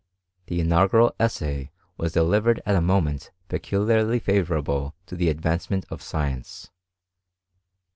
The inaugural essay was delivered at nent peculiarly favourable to the advancement ence.